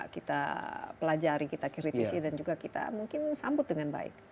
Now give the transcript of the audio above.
kita pelajari kita kritisi dan juga kita mungkin sambut dengan baik